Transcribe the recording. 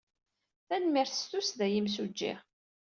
Tanemmirt s tussda, a imsujji.